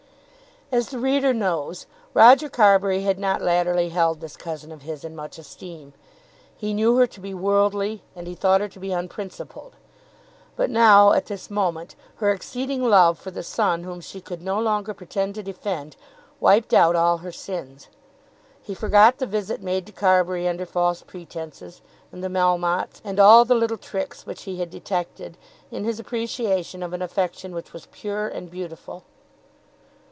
As the reader knows, Roger Carbury had not latterly held this cousin of his in much esteem. He knew her to be worldly and he thought her to be unprincipled. But now, at this moment, her exceeding love for the son whom she could no longer pretend to defend, wiped out all her sins. He forgot the visit made to Carbury under false pretences, and the Melmottes, and all the little tricks which he had detected, in his appreciation of an affection which was pure and beautiful.